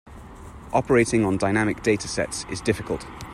Operating on dynamic data sets is difficult.